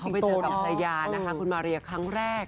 เข้าไปเจอกับสายาคุณมาเรียครั้งแรก